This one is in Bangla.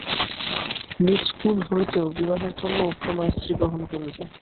নীচকূল হইতেও বিবাহের জন্য উত্তমা স্ত্রী গ্রহণ করিবে।